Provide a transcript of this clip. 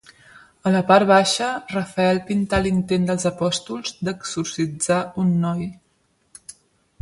A la part baixa, Rafael pintà l'intent dels apòstols d'exorcitzar un noi.